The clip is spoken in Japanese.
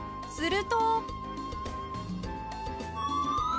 すると。